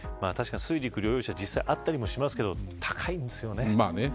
水陸両用車は実際あったりしますが高いんですよね。